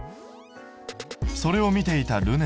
それを見ていたるね